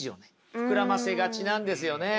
膨らませがちなんですよね。